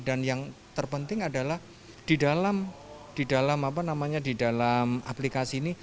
dan yang terpenting adalah di dalam aplikasi ini